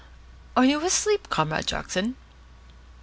Are you asleep, Comrade Jackson?"